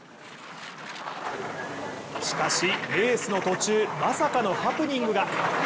しかし、レースの途中、まさかのハプニングが。